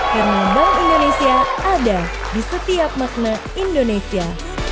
karena bank indonesia ada di setiap makna indonesia